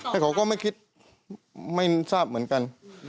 แต่เขาก็ไม่คิดไม่ทราบเหมือนกัน